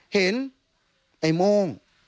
เห็นไอ้โม่ง